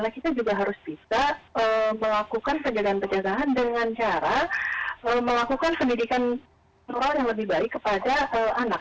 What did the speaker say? kita juga harus bisa melakukan pencegahan penjagaan dengan cara melakukan pendidikan moral yang lebih baik kepada anak